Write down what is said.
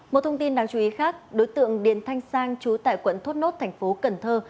một thông tin đáng chú ý khác đối tượng điền thanh sang trú tại quận thốt nốt thành phố cần thơ